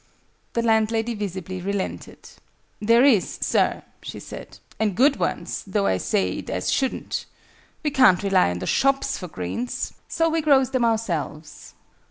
The landlady visibly relented. "There is, sir," she said: "and good ones, though I say it as shouldn't. We can't rely on the shops for greens. So we grows them ourselves."